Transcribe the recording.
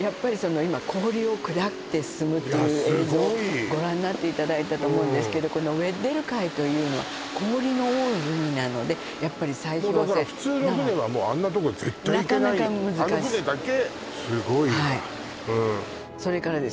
やっぱりその今氷を砕いて進むっていう映像をご覧になっていただいたと思うんですけどこのウェッデル海というのは氷の多い海なのでやっぱり砕氷船普通の船はあんな所絶対行けないなかなか難しいあの船だけスゴいわそれからですね